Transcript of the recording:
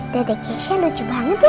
daddy kesia lucu banget ya